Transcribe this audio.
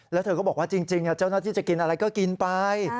แล้วเธอก็บอกว่าจริงเจ้าหน้าที่จะกินอะไรก็กินไป